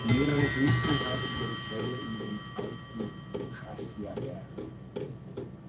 Mehrere Flüsse haben ihre Quelle in den Antichasia-Bergen.